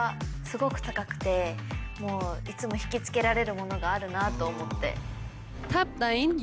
いつも引きつけられるものがあるなと思って。